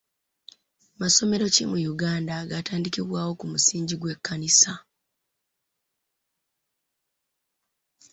Masomero ki mu Uganda agaatandikibwawo ku musingi gw'ekkanisa?